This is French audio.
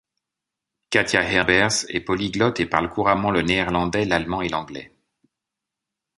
Katja Herbers est polyglotte et parle couramment le néerlandais, l'allemand et l'anglais.